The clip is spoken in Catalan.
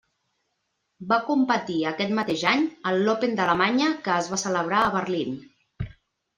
Va competir aquest mateix any en l'Open d'Alemanya que es va celebrar a Berlín.